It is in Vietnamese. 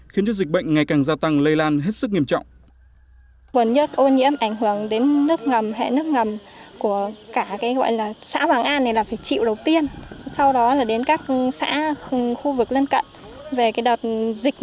khiến cho dịch bệnh ngày càng gia tăng lây lan hết sức nghiêm trọng